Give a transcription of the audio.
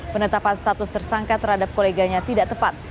penetapan status tersangka terhadap koleganya tidak tepat